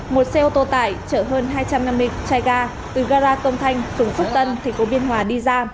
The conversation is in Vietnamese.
một xe ô tô tải chở hơn hai trăm năm mươi chai ga từ gara công thanh xuống phước tân thành phố biên hòa đi ra